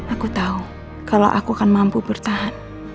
aku tahu kalau aku akan mampu bertahan